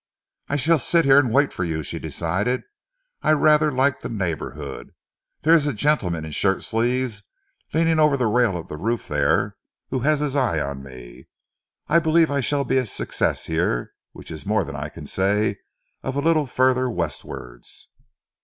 "I shall sit here and wait for you," she decided. "I rather like the neighbourhood. There is a gentleman in shirt sleeves, leaning over the rail of the roof there, who has his eye on me. I believe I shall be a success here which is more than I can say of a little further westwards."